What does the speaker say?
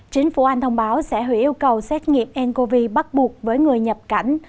chính phủ anh thông báo sẽ hủy yêu cầu xét nghiệm ncov bắt buộc với người nhập cảnh